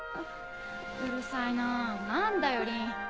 うるさいな何だよリン。